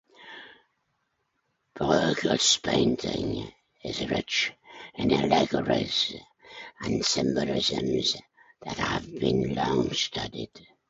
Bruegel's painting is rich in allegories and symbolisms that have been long studied.